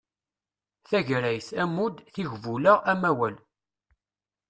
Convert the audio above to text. Tagrayt, ammud, tiɣbula, amawal